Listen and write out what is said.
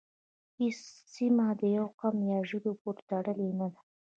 هیڅ سیمه د یوه قوم یا ژبې پورې تړلې نه ده